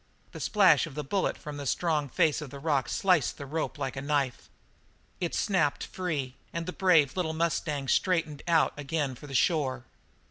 The splash of that bullet from the strong face of the rock sliced the rope like a knife. It snapped free, and the brave little mustang straightened out again for the far shore.